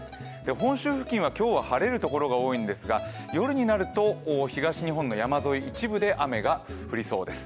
本州付近は今日は晴れる所が多いんですが、夜ニナルト東日本の山沿い、一部で雨が降りそうです。